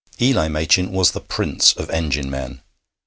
Eli Machin was the prince of engine men.